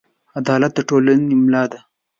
عدالت د ټولنې ملا ده.